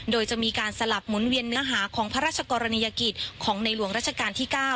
โดยจะมีการสลับหมุนเวียนเนื้อหาของพระราชกรณียกิจของในหลวงราชการที่๙